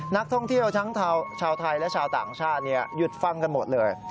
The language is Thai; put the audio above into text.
นักท่องเที่ยวทั้งชาวไทยและชาวต่างชาติหยุดฟังกันหมดเลย